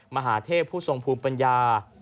มหาเทพผู้ทรงภูมิปัญญา